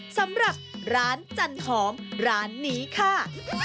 สำหรับร้านจันหอมร้านนี้ค่ะ